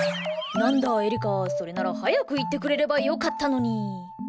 「なんだエリカそれなら早く言ってくれればよかったのに」。